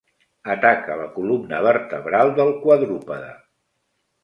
Ataca la columna vertebral del quadrúpede.